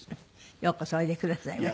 ようこそおいでくださいました。